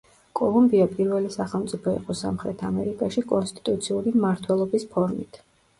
კოლუმბია პირველი სახელმწიფო იყო სამხრეთ ამერიკაში კონსტიტუციური მმართველობის ფორმით.